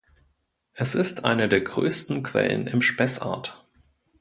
Es ist eine der größten Quellen im Spessart.